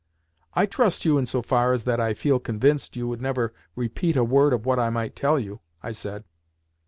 "I trust you in so far as that I feel convinced that you would never repeat a word of what I might tell you," I said.